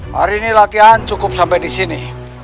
hari ini latihan cukup sampai disini